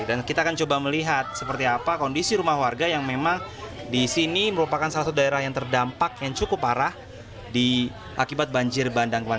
dan kita akan coba melihat seperti apa kondisi rumah warga yang memang di sini merupakan salah satu daerah yang terdampak yang cukup parah di akibat banjir bandang kemarin